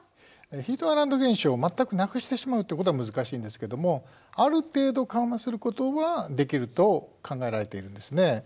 ヒートアイランド現象を全くなくしてしまうっていうことは難しいんですけどもある程度緩和することはできると考えられているんですね。